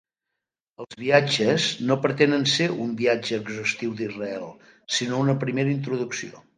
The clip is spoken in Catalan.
Els viatges no pretenen ser un viatge exhaustiu d'Israel, sinó una primera introducció.